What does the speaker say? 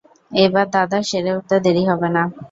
এইবার দাদার সেরে উঠতে দেরি হবে না।